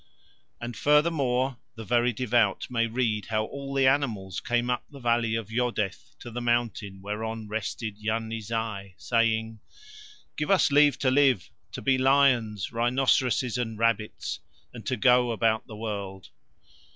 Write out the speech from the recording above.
And, furthermore, the very devout may read how all the animals came up the valley of Yodeth to the mountain whereon rested Yarni Zai, saying: "Give us leave to live, to be lions, rhinoceroses and rabbits, and to go about the world."